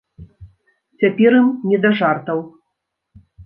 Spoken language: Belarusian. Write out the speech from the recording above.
Цяпер ім не да жартаў.